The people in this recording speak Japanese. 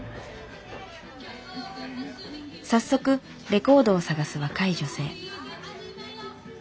早速レコードを探す若い女性。